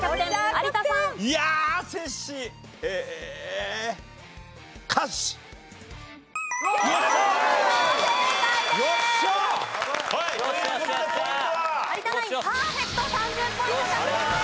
有田ナインパーフェクト３０ポイント獲得です。